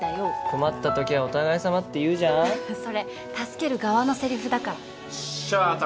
「困った時はお互いさま」って言うじゃんそれ助ける側のセリフだからよっしゃ拓